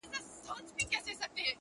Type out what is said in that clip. نه یې رنګ نه یې آواز چاته منلی.!